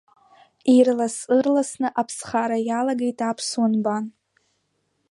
Ирлас-ырласны аԥсахра иалагеит аԥсуа нбан.